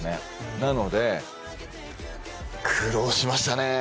なので苦労しましたね。